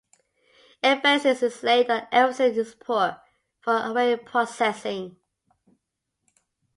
Emphasis is laid on efficient support for array processing.